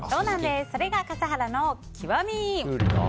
それが笠原の極み。